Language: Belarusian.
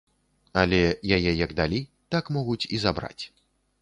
Але яе як далі, так могуць і забраць.